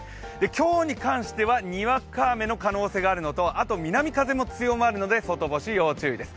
今日に関してはにわか雨の可能性があるのと南風も強まるので外干し要注意です。